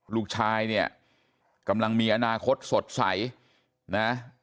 ลูกชายเนี่ยกำลังมีอนาคตสดใสนะ